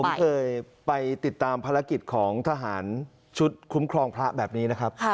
ผมเคยไปติดตามภารกิจของทหารชุดคุ้มครองพระแบบนี้นะครับ